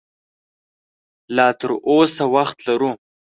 لا تراوسه وخت لرو